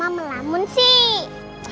habisnya mama melamun sih